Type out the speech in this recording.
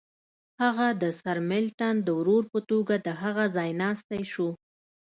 هغه د سرمیلټن د ورور په توګه د هغه ځایناستی شو.